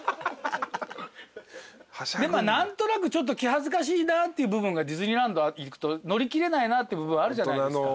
何となくちょっと気恥ずかしいなっていう部分がディズニーランド行くと乗りきれないなっていう部分あるじゃないですか。